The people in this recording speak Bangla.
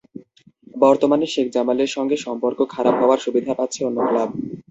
বর্তমানে শেখ জামালের সঙ্গে সম্পর্ক খারাপ হওয়ায় সুবিধা পাচ্ছে অন্য ক্লাব।